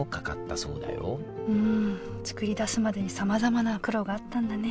うん作り出すまでにさまざまな苦労があったんだね。